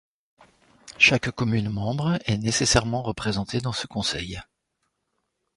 Chaque commune membre est nécessairement représentée dans ce conseil.